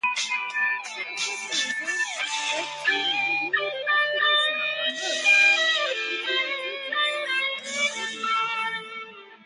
The assassination led to a renewed escalation of unrest between Tutsis and Hutus.